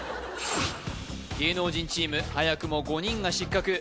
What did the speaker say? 芸能人チーム早くも５人が失格